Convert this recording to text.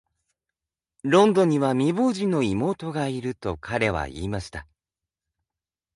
「ロンドンには未亡人の妹がいる」と彼は言いました。